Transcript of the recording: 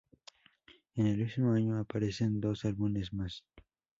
En el mismo año aparecen dos álbumes más.